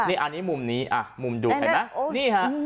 อันนี้มุมนี้